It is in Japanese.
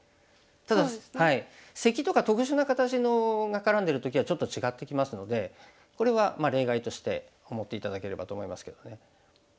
ただしセキとか特殊な形が絡んでる時はちょっと違ってきますのでこれは例外として思って頂ければと思いますけどね。